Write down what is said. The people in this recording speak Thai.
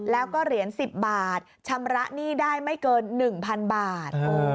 แล้วก็เหรียญ๑๐บาทชำระหนี้ได้ไม่เกิน๑๐๐๐บาท